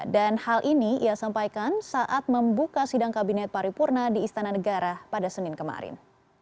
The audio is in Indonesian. dan hal ini ia sampaikan saat membuka sidang kabinet paripurna di istana negara pada senin kemarin